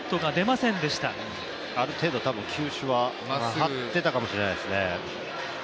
ある程度球種は張っていたかもしれないですね。